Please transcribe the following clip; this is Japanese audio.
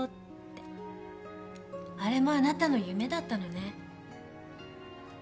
あれもあなたの夢だったのね。